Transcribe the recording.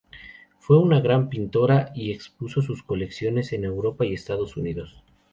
Fue una gran pintora, y expuso sus colecciones en Europa y Estados Unidos.